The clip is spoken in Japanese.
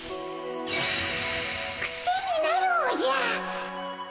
クセになるおじゃ。